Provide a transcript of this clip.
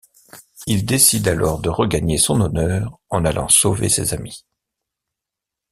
Il décide alors de regagner son honneur en allant sauver ses amis.